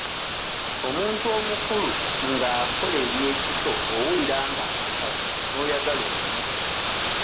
Omuntu omukulu nga akola eby'ekito owulira nga akutabula n'oyagala okumukuba.